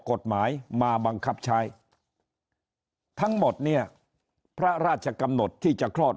กฎหมายมาบังคับใช้ทั้งหมดเนี่ยพระราชกำหนดที่จะคลอด